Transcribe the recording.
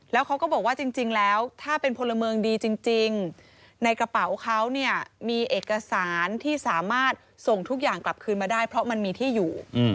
แล้วเขาก็บอกว่าจริงแล้วถ้าเป็นพลเมืองดีจริงในกระเป๋าเขาเนี่ยมีเอกสารที่สามารถส่งทุกอย่างกลับคืนมาได้เพราะมันมีที่อยู่